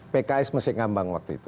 pks masih ngambang waktu itu